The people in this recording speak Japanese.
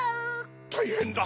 たいへんだ！